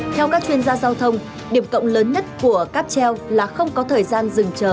theo các chuyên gia giao thông điểm cộng lớn nhất của cáp treo là không có thời gian dừng chờ